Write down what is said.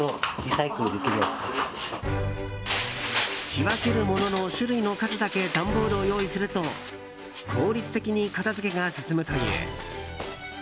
仕分ける物の種類の数だけ段ボールを用意すると効率的に片づけが進むという。